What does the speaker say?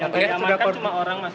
yang teriamat kan cuma orang mas